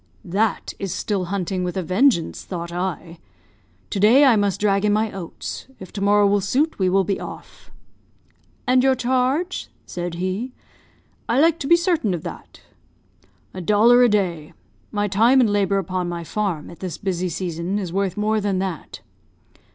"That is still hunting with a vengeance, thought I. 'To day I must drag in my oats. If to morrow will suit, we will be off.' "'And your charge?' said he. 'I like to be certain of that.' "'A dollar a day. My time and labour upon my farm, at this busy season, is worth more than that.'